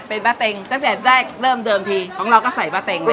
เป็นบ้าเต็งตั้งแต่ได้เริ่มเดิมทีของเราก็ใส่บะเต็งเลย